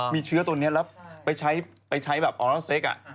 มีเชื้อตัวนี้แล้วไปใช้ออนไลฟ์เซ็ก